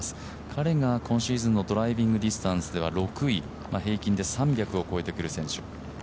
彼が今シーズンのドライビングディスタンスでは６位、平均で３００を超えてくる選手。